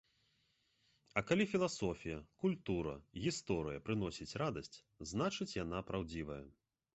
А калі філасофія, культура, гісторыя прыносіць радасць, значыць, яна праўдзівая.